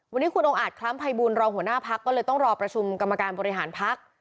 วันนี้คุณองค์อาจคล้ำภัยบูลรองหัวหน้าพักก็เลยต้องรอประชุมกรรมการบริหารพัก